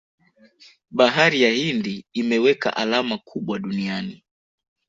bahari ya hindi imeweka alama kubwa duniani